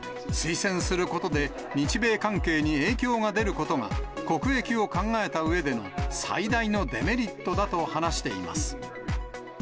推薦することで日米関係に影響があることが、国益を考えたうえでの最大のデメリットだと話しています。